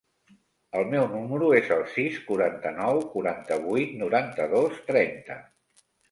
El meu número es el sis, quaranta-nou, quaranta-vuit, noranta-dos, trenta.